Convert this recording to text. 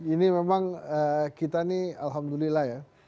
ini memang kita nih alhamdulillah ya